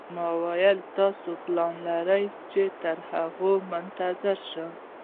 ما وویل: تاسي پلان لرئ چې تر هغو منتظر شئ.